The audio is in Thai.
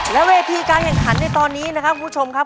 และเวทีการแข่งขันในตอนนี้นะครับคุณผู้ชมครับ